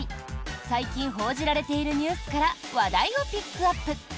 最近報じられているニュースから話題をピックアップ！